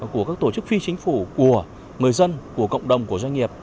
của các tổ chức phi chính phủ của người dân của cộng đồng của doanh nghiệp